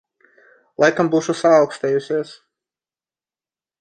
Laikam būšu saaukstējusies.